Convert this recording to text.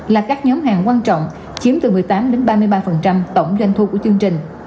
là các nhóm hàng quan trọng chiếm từ một mươi tám đến ba mươi ba tổng doanh thu của chương trình